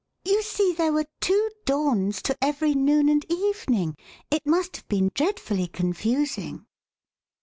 You see there were two dawns to every noon and evening — it must have been dreadfully confusing."